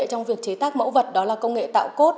trong việc chế tác mẫu vật đó là công nghệ tạo cốt